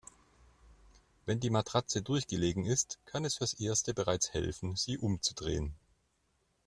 Wenn die Matratze durchgelegen ist, kann es fürs Erste bereits helfen, sie umzudrehen.